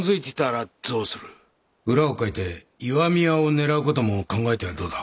裏をかいて石見屋を狙う事も考えてはどうだ。